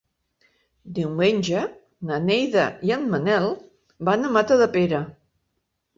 Diumenge na Neida i en Manel van a Matadepera.